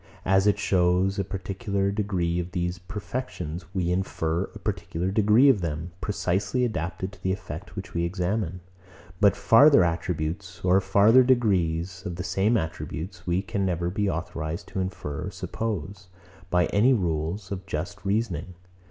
As it shews a particular degree of these perfections, we infer a particular degree of them, precisely adapted to the effect which we examine. But farther attributes or farther degrees of the same attributes, we can never be authorised to infer or suppose, by any rules of just reasoning.